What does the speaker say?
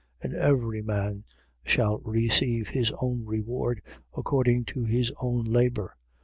And every man shall receive his own reward, according to his own labour.